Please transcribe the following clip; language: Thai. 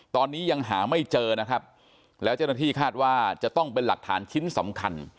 ตอนนี้ยังหาไม่เจอนะครับแล้วเจ้าหน้าที่คาดว่าจะต้องเป็นหลักฐานชิ้นสำคัญ